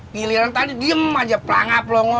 giliran tadi diem aja pelangap loh